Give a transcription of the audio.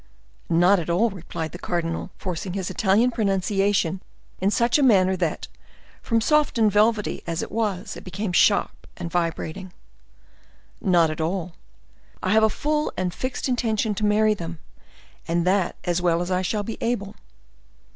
"Not at all," replied the cardinal, forcing his Italian pronunciation in such a manner that, from soft and velvety as it was, it became sharp and vibrating; "not at all: I have a full and fixed intention to marry them, and that as well as I shall be able."